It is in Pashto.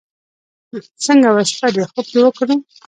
څنګه وه شپه دې؟ خوب دې وکړو.